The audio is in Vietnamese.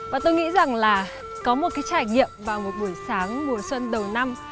và tôi nghĩ rằng là có một cái trải nghiệm vào một buổi sáng mùa xuân đầu năm